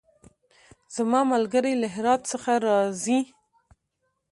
زما ملګری له هرات څخه راځی